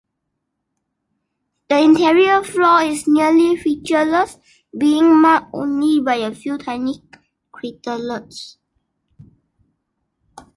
The interior floor is nearly featureless, being marked only by a few tiny craterlets.